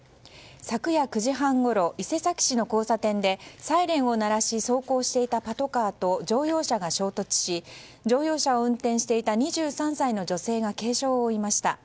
昨夜９時半ごろ伊勢崎市の交差点でサイレンを鳴らし走行していたパトカーと乗用車が衝突し乗用車を運転していた２３歳の女性が軽傷を負いました。